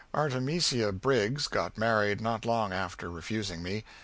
Artimisia Briggs got married not long after refusing me.